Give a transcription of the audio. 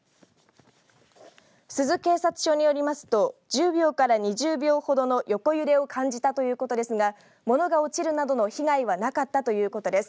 珠洲警察署によりますと１０秒から２０秒ほどの横揺れを感じたということですが物が落ちるなどの被害はなかったということです。